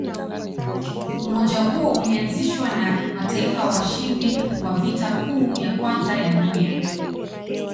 Umoja huo ulianzishwa na mataifa washindi wa Vita Kuu ya Kwanza ya Dunia.